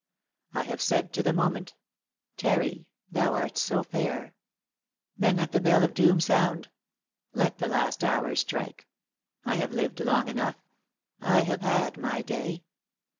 I have said to the moment, ' Tarry, thou art so fair !' Then let the bell of doom sound. Let the last hour strike. I have lived long enough. I have had my day.